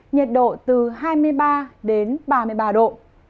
nhiệt độ từ hai mươi ba đến ba mươi ba độ